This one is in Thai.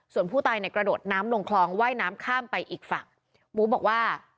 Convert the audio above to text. ส่วนผู้ตายเนี่ยกระโดดน้ำลงคลองว่ายน้ำข้ามไปอีกฝั่งหมูบอกว่า